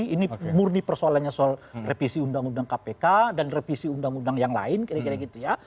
ini murni persoalannya soal revisi undang undang kpk dan revisi undang undang yang lain kira kira gitu ya